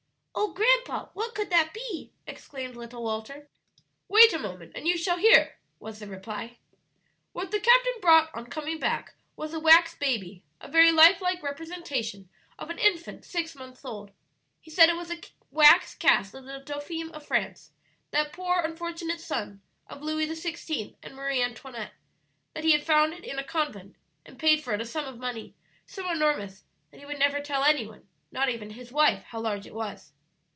"Oh, grandpa, what could that be?" exclaimed little Walter. "Wait a moment and you shall hear," was the reply. "What the captain brought on coming back was a wax baby, a very life like representation of an infant six months old. He said it was a wax cast of the Dauphin of France, that poor unfortunate son of Louis XVI. and Marie Antoinette; that he had found it in a convent, and paid for it a sum of money so enormous that he would never tell any one, not even his wife, how large it was."